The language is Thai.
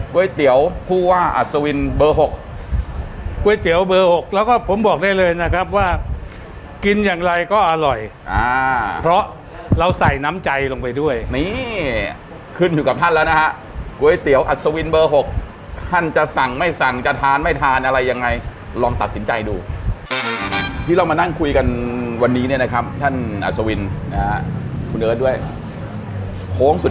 เตี๋ยวผู้ว่าอัศวินเบอร์๖ก๋วยเตี๋ยวเบอร์๖แล้วก็ผมบอกได้เลยนะครับว่ากินอย่างไรก็อร่อยอ่าเพราะเราใส่น้ำใจลงไปด้วยนี่ขึ้นอยู่กับท่านแล้วนะฮะก๋วยเตี๋ยวอัศวินเบอร์๖ท่านจะสั่งไม่สั่งจะทานไม่ทานอะไรยังไงลองตัดสินใจดูที่เรามานั่งคุยกันวันนี้เนี่ยนะครับท่านอัศวินนะฮะคุณเอิร์ทด้วยโค้งสุด